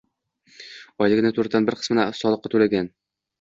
oyligini to‘rtdan bir qismini soliqqa to‘lagan